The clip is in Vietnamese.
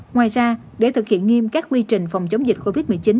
ngoài ra để thực hiện nghiêm các quy trình phòng chống dịch covid một mươi chín